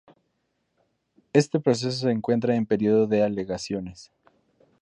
Este proceso se encuentra en periodo de alegaciones.